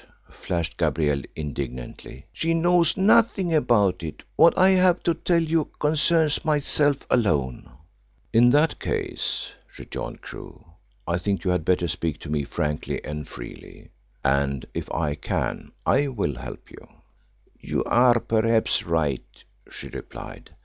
flashed Gabrielle indignantly. "She knows nothing about it. What I have to tell you concerns myself alone." "In that case," rejoined Crewe, "I think you had better speak to me frankly and freely, and if I can I will help you." "You are perhaps right," she replied.